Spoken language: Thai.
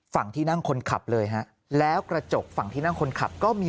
ฝั่งที่นั่งคนขับเลยฮะแล้วกระจกฝั่งที่นั่งคนขับก็มี